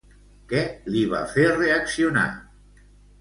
Què li va fer reaccionar?